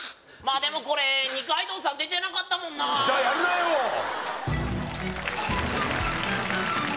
まあでもこれニカイドウさん出てなかったもんなじゃやるなよ！